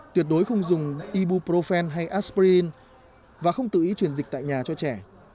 tuyệt đối không dùng ibuprofen hay aspirin và không tự ý truyền dịch tại nhà cho trẻ